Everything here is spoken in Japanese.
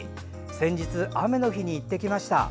先日、雨の日に行ってきました。